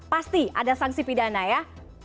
pasti ada sanksi pidana ya